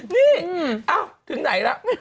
นี่ถึงไหนแล้ว